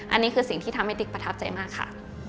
อันนี้คือสิ่งที่ทำให้ติ๊กประทับใจมากค่ะ